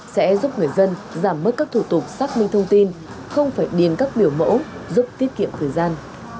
sẽ giúp người dân giảm bớt các thủ tục xác minh thông tin không phải điền các biểu mẫu giúp tiết kiệm thời gian